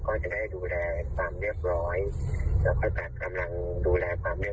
ป้ามศาลการณ์ที่จะให้คนทหารเป็นคนด้วยความปลอดภัย